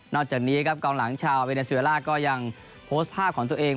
จากนี้ครับกองหลังชาวเวเนซูล่าก็ยังโพสต์ภาพของตัวเอง